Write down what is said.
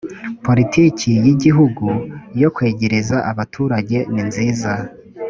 politiki y igihugu yo kwegereza abaturage ninziza